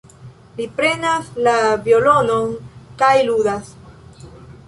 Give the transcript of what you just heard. Li prenas la violonon kaj ludas.